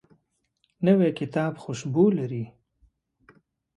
نوی کتاب خوشبو لري